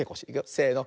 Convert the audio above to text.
せの。